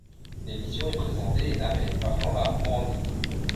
L'émission est présentée et narrée par Jean-Marc Morandini.